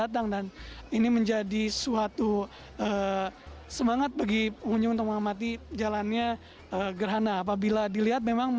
terima kasih banyak banyak yang telah melihat di sini